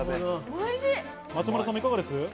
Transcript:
松丸さん、いかがですか？